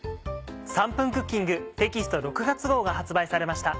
『３分クッキング』テキスト６月号が発売されました。